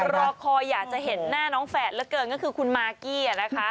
รอคอยอยากจะเห็นหน้าน้องแฝดเหลือเกินก็คือคุณมากกี้นะคะ